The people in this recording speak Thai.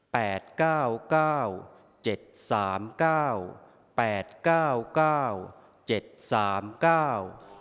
เก้าเก้าเจ็ดสามเก้าแปดเก้าเก้าเจ็ดสามเก้า